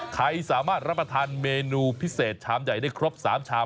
ใครสามารถรับประทานเมนูพิเศษชามใหญ่ได้ครบ๓ชาม